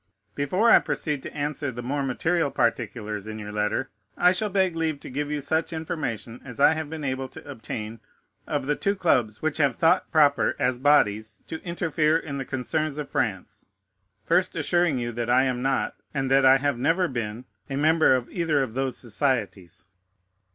Before I proceed to answer the more material particulars in your letter, I shall beg leave to give you such information as I have been able to obtain of the two clubs which have thought proper, as bodies, to interfere in the concerns of France, first assuring you that I am not, and that I have never been, a member of either of those societies.